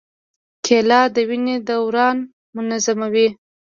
کېله د وینې دوران منظموي.